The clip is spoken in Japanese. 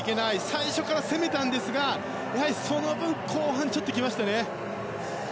最初から攻めたんですがその分、後半ちょっと来ましたよね。